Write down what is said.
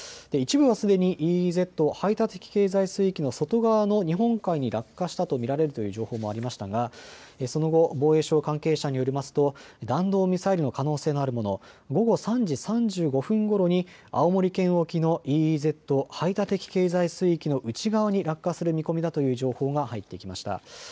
一部はすでにＥＥＺ・排他的経済水域の外側の日本海に落下したと見られるという情報もありましたがその後、防衛省関係者によりますと弾道ミサイルの可能性のあるもの、午後３時３５分ごろに青森県沖のＥＥＺ・排他的経済水域の内側に落下する見込みだという情報が入ってきました。